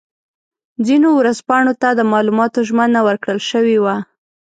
ځینو ورځپاڼو ته د معلوماتو ژمنه ورکړل شوې وه.